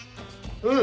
うん。